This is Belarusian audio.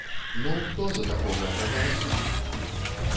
Ну, хто за такога прагаласуе?!